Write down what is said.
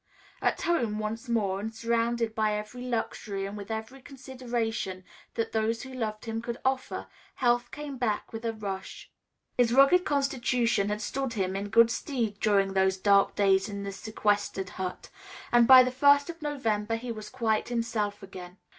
At home once more and surrounded by every luxury and with every consideration that those who loved him could offer, health came back with a rush. His rugged constitution had stood him in good stead during those dark days in the sequestered hut, and by the first of November he was quite himself again.